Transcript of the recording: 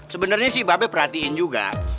sebenernya si babe perhatiin juga